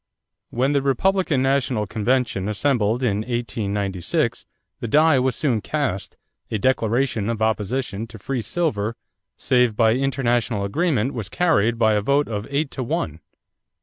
When the Republican national convention assembled in 1896, the die was soon cast; a declaration of opposition to free silver save by international agreement was carried by a vote of eight to one.